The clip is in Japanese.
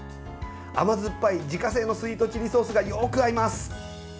甘酸っぱい自家製のスイートチリソースがよく合います！